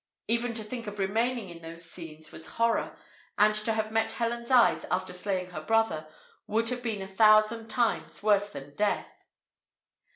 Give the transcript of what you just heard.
Even to think of remaining in those scenes was horror, and to have met Helen's eyes, after slaying her brother, would have been a thousand times worse than death.